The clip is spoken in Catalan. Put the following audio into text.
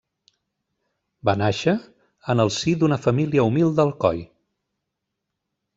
Va nàixer en el si d'una família humil d'Alcoi.